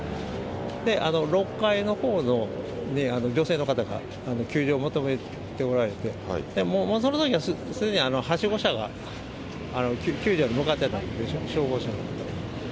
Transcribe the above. ６階のほうの女性の方が救助を求めておられて、もうそのときはすでに、はしご車が救助に向かってた、消防車の。